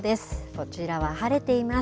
こちらは晴れています。